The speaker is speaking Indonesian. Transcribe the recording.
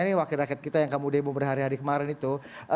ini wakil rakyat kita yang kamu demo berhari hari kemarin itu